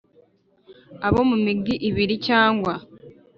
Abo mu migi ibiri cyangwa